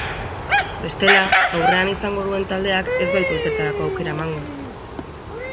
Bestela, aurrean izango duen taldeak ez baitu ezertarako aukera emango.